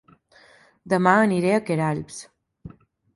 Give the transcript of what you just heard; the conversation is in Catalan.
Dema aniré a Queralbs